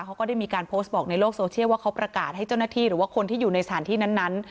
เขาก็ได้มีการโพสต์บอกในโลกโซเชียลว่าเขาประกาศให้เจ้าหน้าที่หรือว่าคนที่อยู่ในสถานที่นั้น